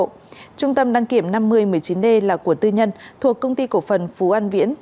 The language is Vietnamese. trung tâm đăng kiểm năm mươi một mươi chín d là của tư nhân thuộc công ty cổ phần phú an viễn